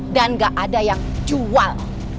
dan engga ada yang jual